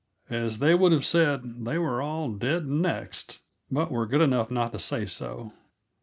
As they would have said, they were all "dead next," but were good enough not to say so.